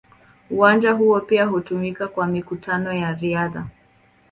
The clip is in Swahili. Uwanja huo pia hutumiwa kwa mikutano ya riadha.